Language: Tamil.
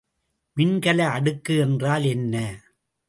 மின்கல அடுக்கு என்றால் என்ன?